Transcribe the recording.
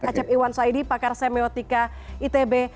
kak ngacep iwan saidy pakar semiotika itb